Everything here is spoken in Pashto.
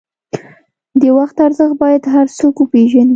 د وخت ارزښت باید هر څوک وپېژني.